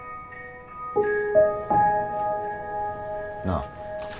なあ。